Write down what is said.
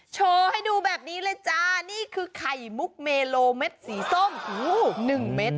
โชว์ให้ดูแบบนี้เลยจ้านี่คือไข่มุกเมโลเม็ดสีส้มหนึ่งเม็ด